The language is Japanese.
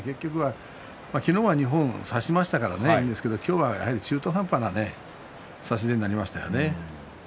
昨日は二本差しましたけども、今日は中途半端な差し手になりましたね。